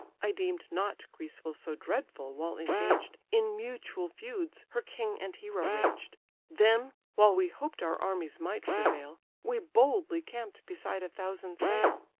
I deem'd not Greece so dreadful, while engaged In mutual feuds her king and hero raged; Then, while we hoped our armies might prevail We boldly camp'd beside a thousand sail.